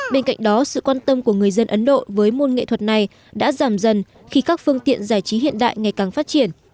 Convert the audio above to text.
bên cạnh đó sự quan tâm của người dân ấn độ với môn nghệ thuật này đã giảm dần khi các phương tiện giải trí hiện đại ngày càng phát triển